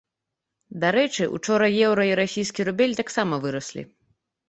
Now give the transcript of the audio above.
Дарэчы, учора еўра і расійскі рубель таксама выраслі.